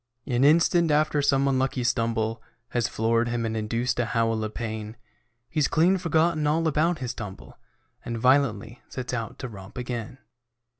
An instant after some unlucky stumble Has floored him and induced a howl of pain, He's clean forgotten all about his tumble And violently sets out to romp again.